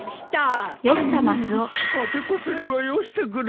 当てこすりはよしてくれ。